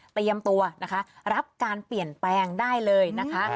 เตรียมตัวนะคะรับการเปลี่ยนแปลงได้เลยนะคะ